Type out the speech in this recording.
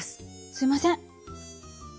すいません。